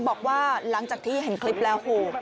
บอกว่าหลังจากที่เห็นคลิปแล้วโห